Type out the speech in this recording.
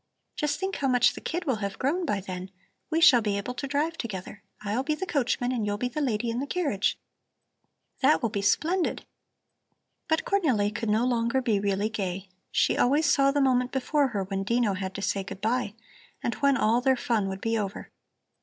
Just think how much the kid will have grown by then! We shall be able to drive together. I'll be the coachman and you'll be the lady in the carriage. That will be splendid!" But Cornelli could no longer be really gay. She always saw the moment before her when Dino had to say good bye, and when all their fun would be over.